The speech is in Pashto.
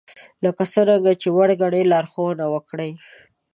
لکه څرنګه چې وړ ګنئ لارښوونه وکړئ